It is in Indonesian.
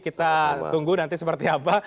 kita tunggu nanti seperti apa